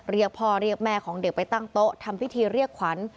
เรียกพ่อเรียกแม่ของเด็กไปตั้งโต๊ะทำพิธีเรียกขวัญ